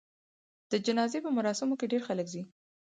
د جنازې په مراسمو کې ډېر خلک ځي.